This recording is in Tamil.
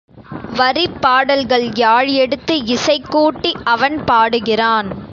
வரிப் பாடல்கள் யாழ் எடுத்து இசை கூட்டி அவன் பாடுகிறான்.